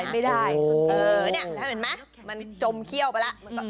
ออกไปไม่ได้แล้วเห็นมั้ยมันจมเขี้ยวไปแล้ว